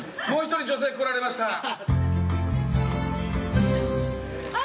もう一人女性来られました。